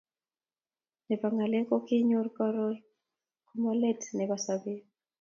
Nebo ngalek ko kenyor koroi komalet nebo sobet